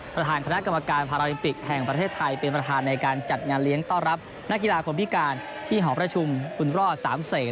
ประธานคณะกรรมการพาราลิมปิกแห่งประเทศไทยเป็นประธานในการจัดงานเลี้ยงต้อนรับนักกีฬาคนพิการที่หอประชุมคุณรอดสามเศษ